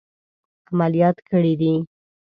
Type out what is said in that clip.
عملیات کړي دي.